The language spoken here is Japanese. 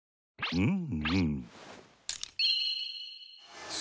うん？